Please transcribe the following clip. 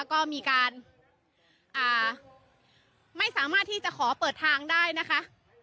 ก็มีการไม่สามารถที่จะขอเปิดทางได้นะคะ